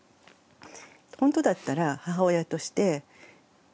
ほんとだったら母親として逆？